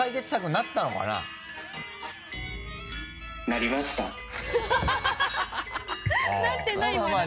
なってないまだ。